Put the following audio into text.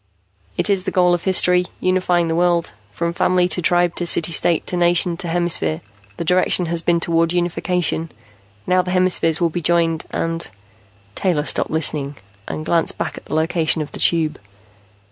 "It is the goal of history, unifying the world. From family to tribe to city state to nation to hemisphere, the direction has been toward unification. Now the hemispheres will be joined and " Taylor stopped listening and glanced back at the location of the Tube.